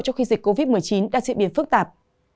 trong khi dịch covid một mươi chín đang diễn biến phức tạp